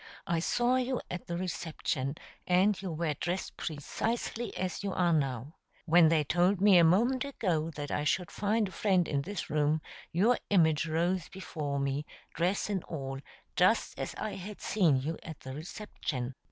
I saw you at the reception, and you were dressed precisely as you are now. When they told me a moment ago that I should find a friend in this room, your image rose before me, dress and all, just as I had seen you at the reception."